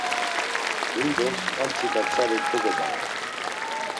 Hindos amtsika tzari kogobare.